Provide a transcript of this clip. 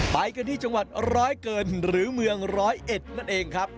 ไปกันที่จังหวัดร้อยเกินหรือเมืองร้อยเอ็ดนั่นเองครับ